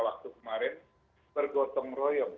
waktu kemarin bergotong royong